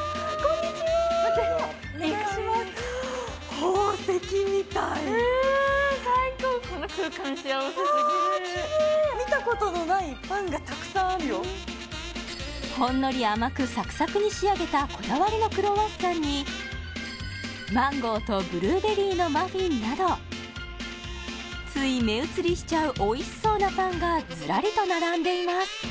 香りうん最高うわきれい見たことのないパンがたくさんあるよほんのり甘くサクサクに仕上げたこだわりのクロワッサンにマンゴーとブルーベリーのマフィンなどつい目移りしちゃうおいしそうなパンがずらりと並んでいます